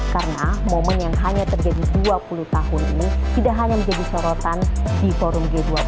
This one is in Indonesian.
karena momen yang hanya terjadi dua puluh tahun ini tidak hanya menjadi sorotan di forum g dua puluh